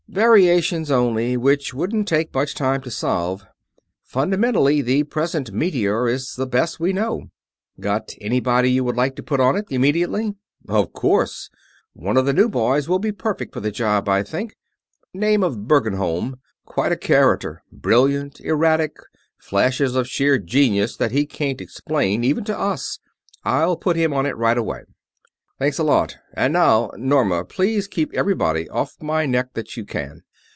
"Variations only, which wouldn't take much time to solve. Fundamentally, the present meteor is the best we know." "Got anybody you would like to put on it, immediately?" "Of course. One of the new boys will be perfect for the job, I think. Name of Bergenholm. Quite a character. Brilliant, erratic, flashes of sheer genius that he can't explain, even to us. I'll put him on it right away." "Thanks a lot. And now, Norma, please keep everybody off my neck that you can.